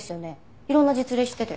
いろんな実例知ってて。